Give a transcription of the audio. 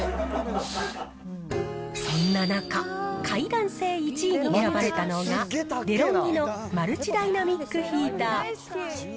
そんな中、快暖性１位に選ばれたのが、デロンギのマルチダイナミックヒーター。